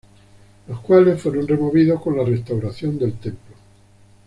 Los cuales fueron removidos con la restauración del templo.